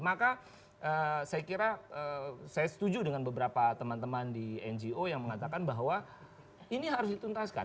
maka saya kira saya setuju dengan beberapa teman teman di ngo yang mengatakan bahwa ini harus dituntaskan